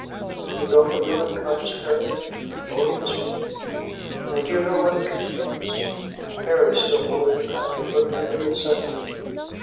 "You know from whom it comes, Harry?" "Oh, yes, mother." "And do you know what it contains?" Harry, still holding the packet, looked at it, but said nothing.